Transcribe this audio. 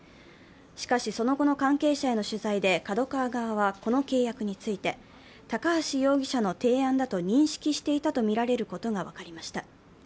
しかし、その後の関係者への取材でＫＡＤＯＫＡＷＡ側はこの契約について、高橋容疑者の提案だと認識していたとみられることが分かりました。